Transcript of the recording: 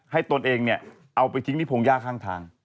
ตนเองเนี่ยเอาไปทิ้งที่พงหญ้าข้างทาง